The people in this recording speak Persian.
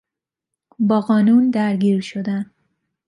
با قانون درگیر شدن